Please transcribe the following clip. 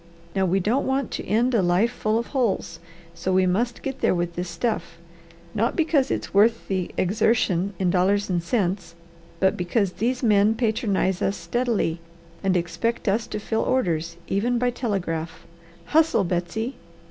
Now we don't want to end a life full of holes, so we must get there with this stuff, not because it's worth the exertion in dollars and cents, but because these men patronize us steadily and expect us to fill orders, even by telegraph. Hustle, Betsy!"